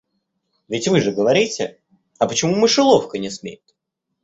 Ведь вы же говорите, а почему мышеловка не смеет?